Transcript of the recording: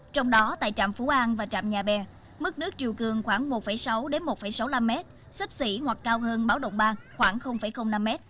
trong đó tại trạm phú an và trạm nhà bè mức nước triều cường khoảng một sáu đến một sáu mươi năm mét xếp xỉ hoặc cao hơn báo động ba khoảng năm mét